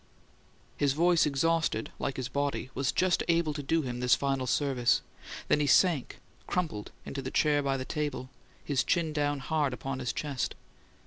His voice, exhausted, like his body, was just able to do him this final service; then he sank, crumpled, into the chair by the table, his chin down hard upon his chest.